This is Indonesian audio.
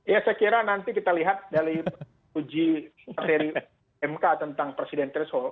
ya saya kira nanti kita lihat dari uji materi mk tentang presiden threshold